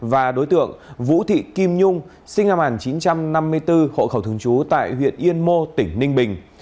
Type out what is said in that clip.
và đối tượng vũ thị kim nhung sinh năm một nghìn chín trăm năm mươi bốn hộ khẩu thường trú tại huyện yên mô tỉnh ninh bình